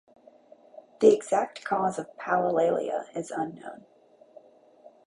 The exact cause of palilalia is unknown.